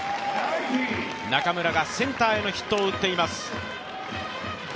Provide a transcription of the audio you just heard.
中村がセンターへのヒットを打っています。